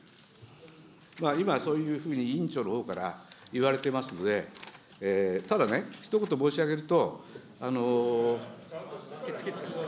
今、そういうふうに委員長のほうから言われてますので、ただね、ひと言申し上げると。